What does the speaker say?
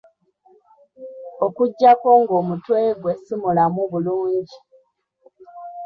Okuggyako ng'omutwe gwe si mulamu bulungi.